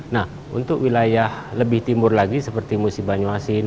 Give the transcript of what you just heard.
nah untuk wilayah lebih timur lagi seperti musi banyuasin